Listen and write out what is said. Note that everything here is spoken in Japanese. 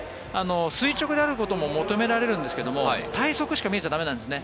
垂直であることも求められるんですけど体側しか見えちゃ駄目なんですね。